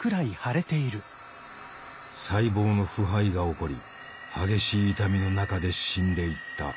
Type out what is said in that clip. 細胞の腐敗が起こり激しい痛みの中で死んでいった。